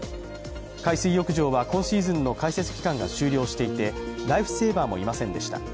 海水浴場は今シーズンの開設期間が終了していて、ライフセーバーもいませんでした。